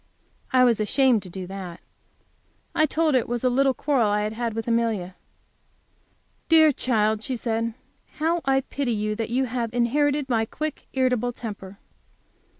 I was ashamed to do that. I told her that it was a little quarrel I had had with Amelia. "Dear child," she said, "how I pity you that you have inherited my quick, irritable temper."